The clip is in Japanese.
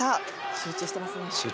集中してますね。